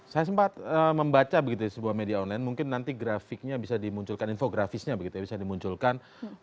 saya sempat membaca begitu di sebuah media online mungkin nanti grafiknya bisa dimunculkan infografisnya begitu ya bisa dimunculkan